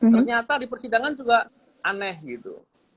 ternyata di persidangan juga aneh gitu